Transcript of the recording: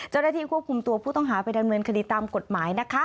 เจ้าหน้าที่ควบคุมตัวผู้ต้องหาไปดำเนินคดีตามกฎหมายนะคะ